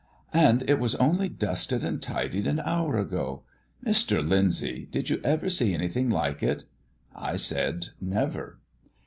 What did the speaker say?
"And it was only dusted and tidied an hour ago. Mr. Lyndsay, did you ever see anything like it?" I said "Never."